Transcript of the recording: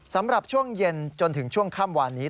สำหรับช่วงเย็นจนถึงช่วงค่ำวานนี้